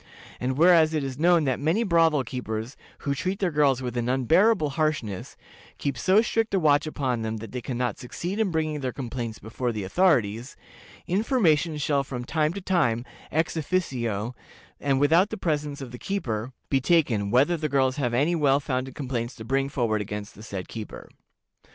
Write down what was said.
And whereas it is known that many brothel keepers, who treat their girls with an unbearable harshness, keep so strict a watch upon them that they can not succeed in bringing their complaints before the authorities, information shall from time to time, ex officio, and without the presence of the keeper, be taken, whether the girls have any well founded complaints to bring forward against the said keeper.